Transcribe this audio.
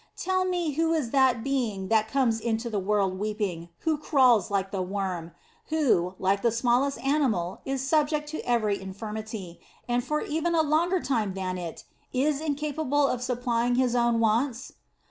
Tell me who is that being that comes into the world weeping; who crawls like the worm, who, like the smallest animal is subject to every infirmity, and for even a longer time than it, is incapable of supplying his own wants?